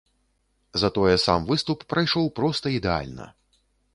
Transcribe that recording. Затое сам выступ прайшоў проста ідэальна.